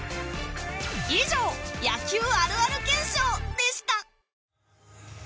以上、野球あるある検証でした。